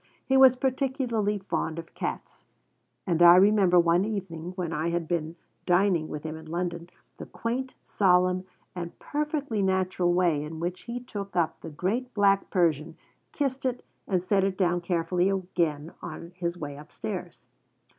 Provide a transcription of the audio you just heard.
He was particularly fond of cats, and I remember one evening, when I had been dining with him in London, the quaint, solemn, and perfectly natural way in which he took up the great black Persian, kissed it, and set it down carefully again on his way upstairs.